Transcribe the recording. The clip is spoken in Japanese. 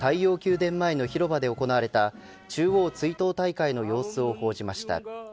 殿前の広場で行われた中央追悼大会の様子を報じました。